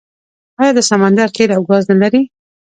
آیا دا سمندر تیل او ګاز نلري؟